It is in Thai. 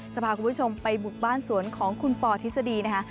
จะพาคุณผู้ชมไปบุกบ้านสวนของคุณปอทฤษฎีนะคะ